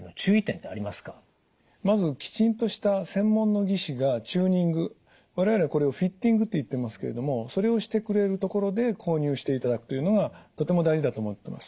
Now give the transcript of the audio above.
まずきちんとした専門の技師がチューニング我々これをフィッティングといってますけれどもそれをしてくれる所で購入していただくというのがとても大事だと思ってます。